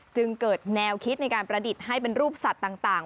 จึงเกิดแนวคิดในการประดิษฐ์ให้เป็นรูปสัตว์ต่าง